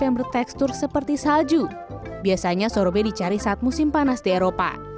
yang bertekstur seperti salju biasanya sorbet dicari saat musim panas di eropa